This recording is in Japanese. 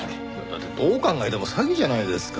だってどう考えても詐欺じゃないですか。